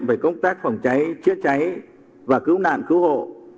về công tác phòng cháy chữa cháy và cứu nạn cứu hộ